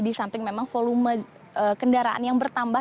di samping memang volume kendaraan yang bertambah